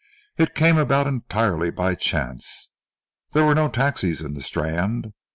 It came about entirely by chance. There were no taxis in the Strand.